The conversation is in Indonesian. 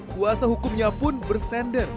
kuasa hukumnya pun bersender